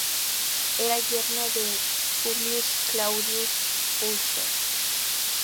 Era yerno de Publius Claudius Pulcher.